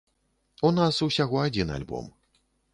У нас усяго адзін альбом.